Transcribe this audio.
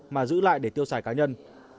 mà giữ lại để tiêu sải cá nhân